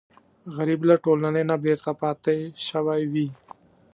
غریب له ټولنې نه بېرته پاتې شوی وي